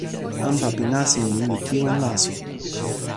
anpa pi nasin ni li kiwen laso.